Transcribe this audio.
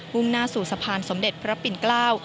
่งหน้าสู่สะพานสมเด็จพระปิ่นเกล้า